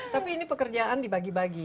tapi ini pekerjaan dibagi bagi